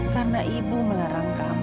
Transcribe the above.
karena ibu melarang kamu